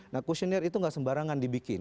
nah questionnaire itu gak sembarangan dibikin